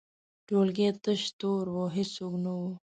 ټولګی تش تور و، هیڅوک نه وو.